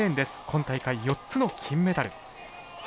今大会４つの金メダル。